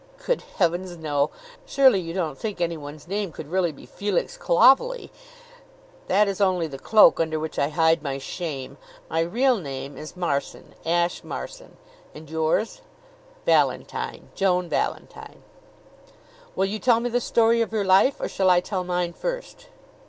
"Good heavens, no! Surely you don't think anyone's name could really be Felix Clovelly? That is only the cloak under which I hide my shame. My real name is Marson Ashe Marson. And yours?" "Valentine Joan Valentine." "Will you tell me the story of your life, or shall I tell mine first?"